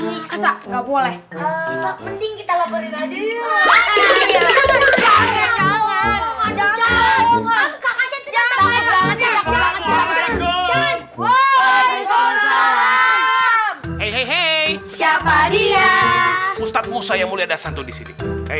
siapa dia ustadz musa yang mulia dasanto disini